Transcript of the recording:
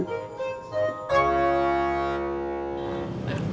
masih ya pak